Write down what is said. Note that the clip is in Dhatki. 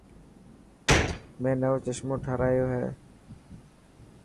مين نوو چشمو ٺارايو هي.